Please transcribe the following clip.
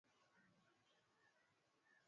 huko Cape Town na Port Elizabeth